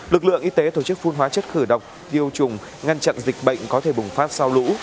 lực lượng y tế tổ chức phun hóa chất khử độc dio trùng ngăn chặn dịch bệnh có thể bùng phát sau lũ